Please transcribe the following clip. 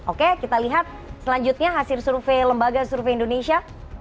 oke kita lihat selanjutnya hasil survei lembaga survei indonesia